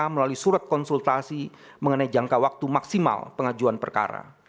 melalui surat konsultasi mengenai jangka waktu maksimal pengajuan perkara